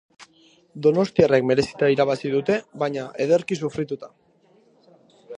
Donostiarrek merezita irabazi dute, baina ederki sufrituta.